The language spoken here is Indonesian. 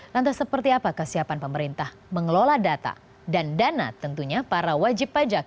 lantas seperti apa kesiapan pemerintah mengelola data dan dana tentunya para wajib pajak